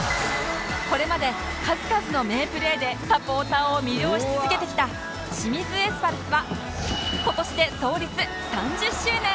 これまで数々の名プレーでサポーターを魅了し続けてきた清水エスパルスは今年で創立３０周年